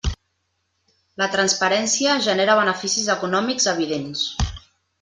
La transparència genera beneficis econòmics evidents.